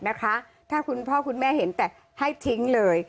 เอามามัดเอามาดึงเล่น